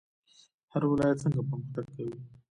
هر ولایت څنګه پرمختګ کوي؟